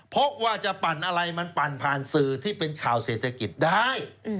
เพราะว่าจะปั่นอะไรมันปั่นผ่านสื่อที่เป็นข่าวเศรษฐกิจได้